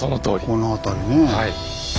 この辺りね。